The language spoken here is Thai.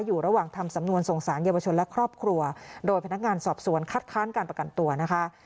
อยู่ระหว่างทำสำนวนส่งสารเยาวชนและครอบครัวโดยพนักงานสอบสวนคัดค้านการประกันตัวนะคะ